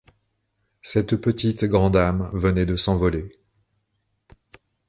Cette petite grande âme venait de s’envoler.